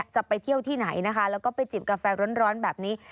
จะไปเที่ยวที่ไหนนะคะแล้วก็ไปจิบกาแฟร้อนแบบนี้